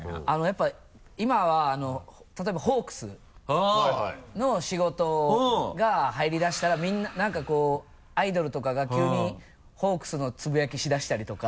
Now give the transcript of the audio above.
やっぱ今は例えばホークスの仕事が入りだしたら何かこうアイドルとかが急にホークスのつぶやきしだしたりとか。